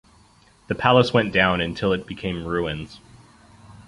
The palace went down until it became ruins.